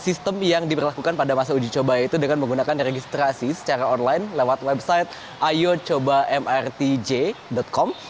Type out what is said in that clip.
sistem yang diberlakukan pada masa uji coba itu dengan menggunakan registrasi secara online lewat website ayocobamrtj com